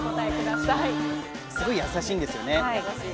すごい優しいんですよね？